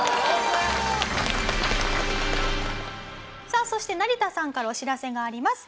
さあそして成田さんからお知らせがあります。